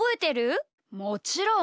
もちろん！